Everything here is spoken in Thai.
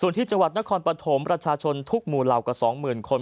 ส่วนที่จังหวัดนครปฐมประชาชนทุกหมู่เหล่ากว่า๒๐๐๐คน